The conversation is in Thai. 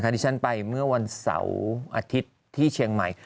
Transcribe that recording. ที่ฉันไปเมื่อวันเสาร์อาทิตย์ที่เชียงใหม่